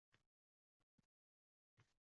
Pep Gvardiola shogirdlari sovrinni qo‘ldan chiqardi